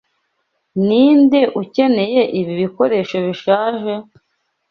Ninde ukeneye ibi bikoresho bishaje?